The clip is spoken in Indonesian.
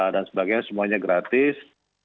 dan sebagainya semuanya gratis